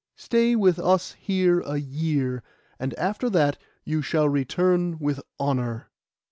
Stay with us here a year, and after that you shall return with honour.